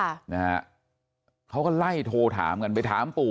ค่ะนะฮะเขาก็ไล่โทรถามกันไปถามปู่